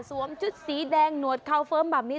สวมชุดสีแดงหนวดเข้าเฟิร์มบำนี้